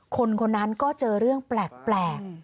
คนคนนั้นก็เจอเรื่องแปลก